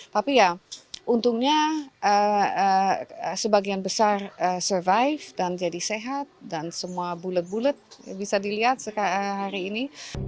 tapi ya untungnya sebagian besar survive dan jadi sehat dan semua bulet bulet bisa dilihat hari ini